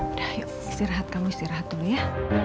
udah ayo istirahat kamu istirahat dulu ya